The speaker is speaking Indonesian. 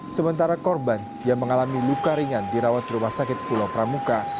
sementara korban yang mengalami luka ringan dirawat di rumah sakit pulau pramuka